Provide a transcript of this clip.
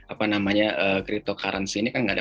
apa namanya cryptocurrency ini kan nggak ada